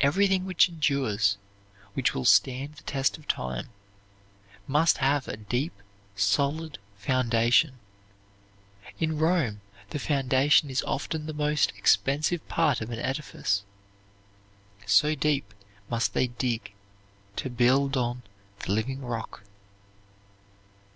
Everything which endures, which will stand the test of time, must have a deep, solid foundation. In Rome the foundation is often the most expensive part of an edifice, so deep must they dig to build on the living rock.